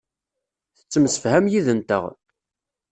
Tettemsefham yid-nteɣ.